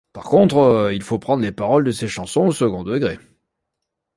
Par contre, il faut prendre les paroles de ces chansons au second degré.